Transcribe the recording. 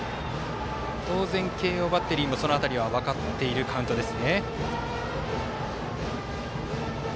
当然、慶応バッテリーもその辺りも分かっているカウントです。